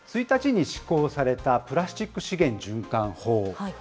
１日に施行されたプラスチック資源循環法。